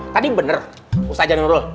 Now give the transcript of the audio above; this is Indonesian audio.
tadi bener ustadz nurul